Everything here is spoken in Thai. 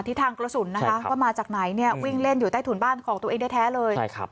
ที่ทางกระสุนก็มาจากไหนวิ่งเล่นอยู่ใต้ถุนบ้านของตัวเองได้แท้เลย